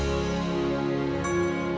dia bukan putri